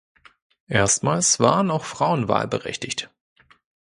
Erstmals waren auch Frauen wahlberechtigt.